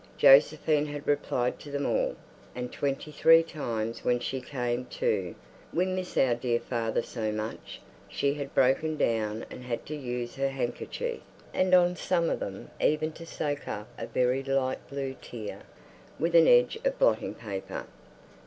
Josephine had replied to them all, and twenty three times when she came to "We miss our dear father so much" she had broken down and had to use her handkerchief, and on some of them even to soak up a very light blue tear with an edge of blotting paper.